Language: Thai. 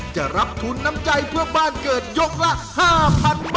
จะรับทุนน้ำใจเพื่อบ้านเกิดยกละ๕๐๐๐บาท